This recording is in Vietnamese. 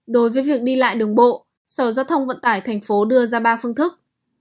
đối với việc đi lại đường bộ sở giao thông vận tải thành phố đưa ra ba phương thức